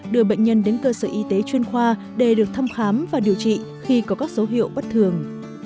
đưa bệnh nhân đến cơ sở y tế chuyên khoa để được thăm khám và điều trị khi có các dấu hiệu bất thường